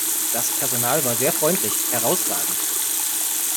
Das Personal war sehr freundlich, herrausragend!